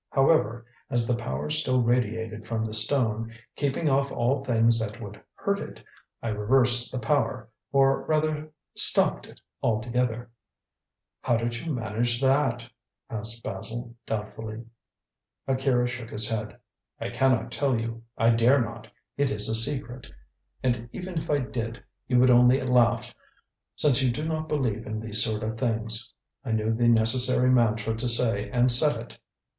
However, as the power still radiated from the stone, keeping off all things that would hurt it, I reversed the power, or rather, stopped it altogether." "How did you manage that?" asked Basil doubtfully. Akira shook his head. "I cannot tell you. I dare not. It is a secret. And even if I did, you would only laugh, since you do not believe in these sort of things. I knew the necessary mantra to say and said it."